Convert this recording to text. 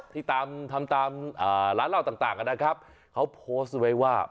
ที่ตามทำตามร้านเหล้าต่างนะครับเขาโพสต์ไว้ว่า